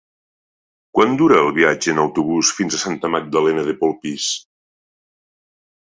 Quant dura el viatge en autobús fins a Santa Magdalena de Polpís?